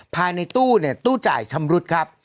ภายในตู้เนี่ยตู้จ่ายชำรุดครับ